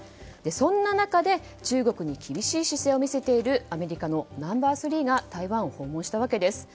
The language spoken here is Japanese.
そんな中で中国に厳しい姿勢を見せているアメリカのナンバー３が台湾を訪問したわけです。